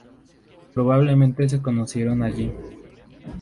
Probablemente se conocieron allí.